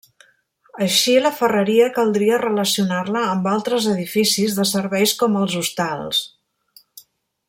Així la ferreria caldria relacionar-la amb altres edificis de serveis com els hostals.